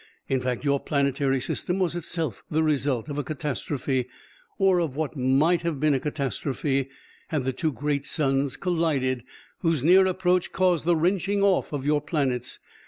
In fact, your planetary system was itself the result of a catastrophe, or of what might have been a catastrophe, had the two great suns collided whose near approach caused the wrenching off of your planets.